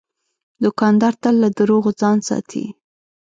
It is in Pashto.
دوکاندار تل له دروغو ځان ساتي.